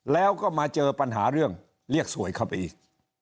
แล้วก็มาเจอปัญหาเรื่องเรียกสวยเข้าไปอีก